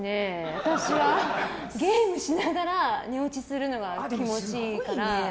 私はゲームしながら寝落ちするのが気持ちいいから。